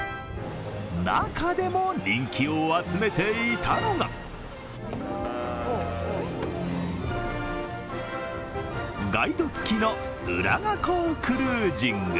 中でも人気を集めていたのがガイドつきの浦賀港クルージング。